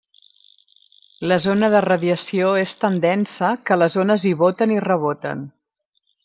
La zona de radiació és tan densa que les ones hi boten i reboten.